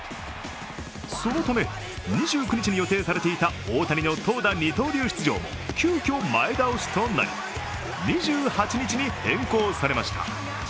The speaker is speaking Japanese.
そのため２９日に予定されていた大谷の投打二刀流出場も急きょ前倒しとなり、２８日に変更されました。